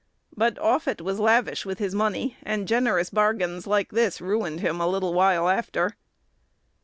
But Offutt was lavish with his money, and generous bargains like this ruined him a little while after.